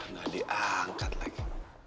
nggak diangkat lagi